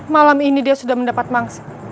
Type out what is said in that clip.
malam ini dia sudah mendapat mangsa